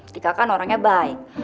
tika kan orangnya baik